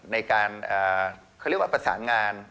ในการเขาเรียกว่าประสานงาน